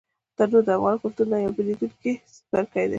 تنور د افغان کلتور یو نه بېلېدونکی څپرکی دی